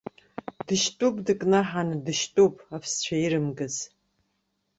Дышьтәуп, дыкнаҳаны дышьтәуп, аԥсцәа ирымгаз.